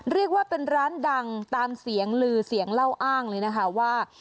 เรียกว่าเป็นร้านดังตามเสียงลือเสียงเล่าอ้างเลยนะคะว่า